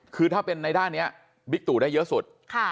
คือถ้าเป็นในด้านนี้บิ๊กตู่ได้เยอะสุด